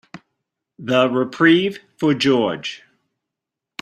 The reprieve for George.